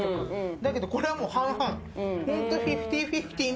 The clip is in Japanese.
だけどこれはもう半々ホント。